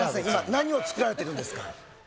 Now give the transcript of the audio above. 今何を作られてるんですか？